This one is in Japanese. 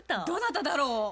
どなただろう？